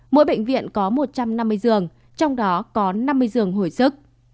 mỗi bệnh viện có một trăm năm mươi giường trong đó có năm mươi giường hồi sức